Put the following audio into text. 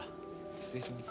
失礼します。